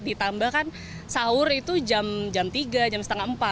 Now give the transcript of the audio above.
ditambah kan sahur itu jam tiga jam setengah empat